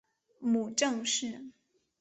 母郑氏。